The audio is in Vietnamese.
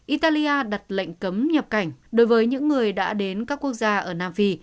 italia đặt lệnh cấm nhập cảnh đối với những người đã đến các quốc gia ở nam phi